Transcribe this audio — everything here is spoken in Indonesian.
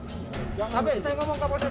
ya saya ini mundur kasi mundur